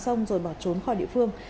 xong rồi bỏ trốn khỏi địa phương